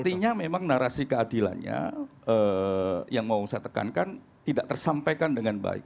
artinya memang narasi keadilannya yang mau saya tekankan tidak tersampaikan dengan baik